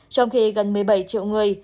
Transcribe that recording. trong khi gần một mươi bảy triệu người